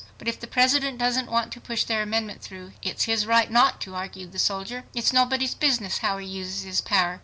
"But if the President doesn't want to push their amendment through, it's his right not to," argued the soldier. "It's nobody's business how he uses his power."